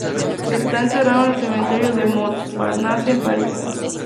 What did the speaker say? Está enterrado en el Cementerio de Montparnasse en París.